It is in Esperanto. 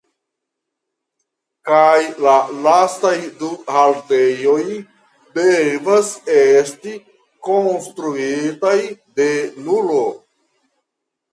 Kaj la lastaj du haltejoj devas esti konstruitaj de nulo.